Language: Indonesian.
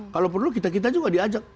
kalau perlu kita kita juga diajak